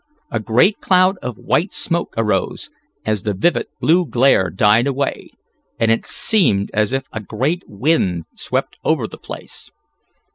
A great cloud of white smoke arose, as the vivid blue glare died away, and it seemed as if a great wind swept over the place.